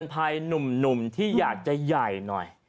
ภัยหนุ่มที่อยากจะใหญ่หน่อย